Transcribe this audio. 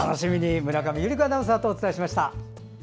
村上由利子アナウンサーとお伝えしました。